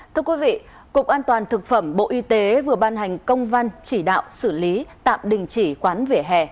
thưa quý vị cục an toàn thực phẩm bộ y tế vừa ban hành công văn chỉ đạo xử lý tạm đình chỉ quán vỉa hè